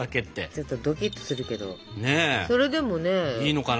ちょっとドキっとするけどそれでもねできちゃうし。